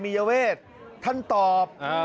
คางยาเวทท่านตอบ